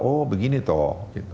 oh begini toh